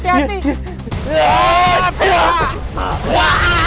spek wordtu di bibik abu